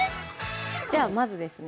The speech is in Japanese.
じゃあまずですね